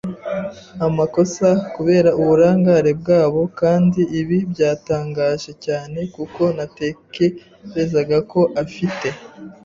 amakosa kubera uburangare bwabo. Kandi ibi byantangaje cyane, kuko natekerezaga ko afite